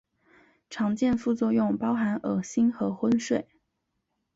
常见副作用包含恶心和昏睡。